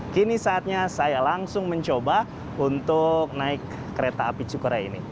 kini saatnya saya langsung mencoba untuk naik kereta api cukara ini